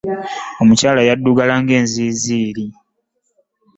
Omukyala yaddugala ng'enziiziiri.